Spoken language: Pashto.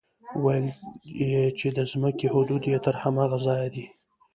ويل يې چې د ځمکې حدود يې تر هماغه ځايه دي.